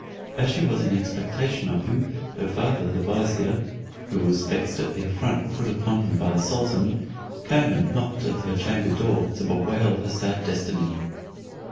As she was in expectation of him, her father the vizier. (who was vexed at the affront put upon him by the sultan) came and knocked at her chamber door, to bewail her sad destiny.